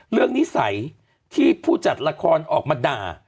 นิสัยที่ผู้จัดละครออกมาด่า